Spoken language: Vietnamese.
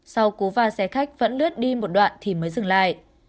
sau cú va xe khách vẫn lướt đi một đoạn thì mới dừng lại